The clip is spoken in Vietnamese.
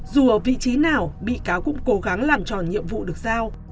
dù ở vị trí nào bị cáo cũng cố gắng làm tròn nhiệm vụ được giao